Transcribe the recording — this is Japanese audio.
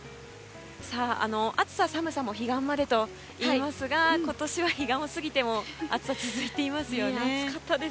暑さ、寒さも彼岸までといいますが今年は彼岸を過ぎても暑さが続いていますよね。